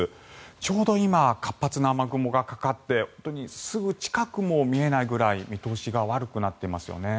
ちょうど今活発な雨雲がかかってすぐ近くも見えないくらい見通しが悪くなっていますよね。